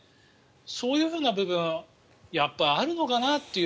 そういうふうな部分がやっぱりあるのかなという。